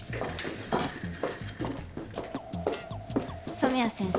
染谷先生